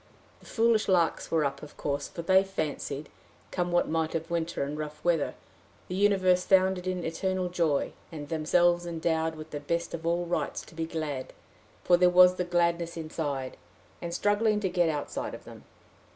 The foolish larks were up, of course, for they fancied, come what might of winter and rough weather, the universe founded in eternal joy, and themselves endowed with the best of all rights to be glad, for there was the gladness inside, and struggling to get outside of them.